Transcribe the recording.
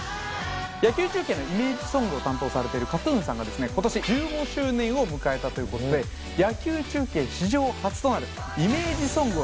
野球中継のイメージソングを担当されてるＫＡＴ−ＴＵＮさんが今年１５周年を迎えたということで野球中継史上初となる。